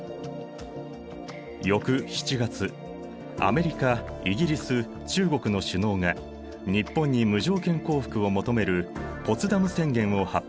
翌７月アメリカイギリス中国の首脳が日本に無条件降伏を求めるポツダム宣言を発表。